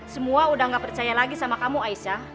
semua udah gak percaya lagi sama kamu aisyah